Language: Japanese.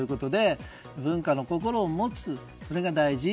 文化の心を持つ、それが大事。